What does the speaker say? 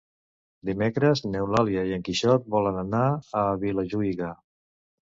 Dimecres n'Eulàlia i en Quixot volen anar a Vilajuïga.